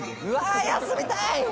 うわぁ休みたい！